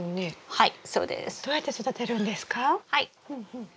はい。